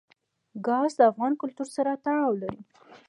ګاز د افغان کلتور سره تړاو لري.